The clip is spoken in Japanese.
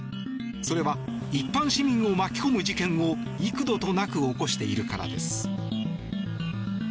それは一般市民を巻き込む事件を幾度となく起こしているからです。